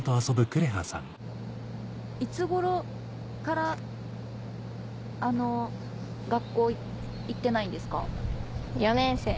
いつ頃から学校行ってないんですか？